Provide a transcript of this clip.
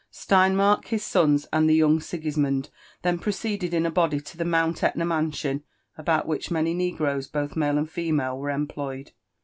Steinmark, his sons, and the young Sigisroond (hen proceeded in a body to the Mount £(na mansion, about which many negroes, both male and female, were employed.